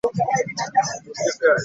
Abasasula mukola kya maanyi.